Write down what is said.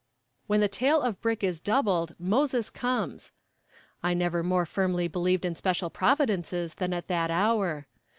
'When the tale of brick is doubled, Moses comes.' I never more firmly believed in special providences than at that hour.